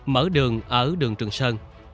mở đường ở đường trường sơn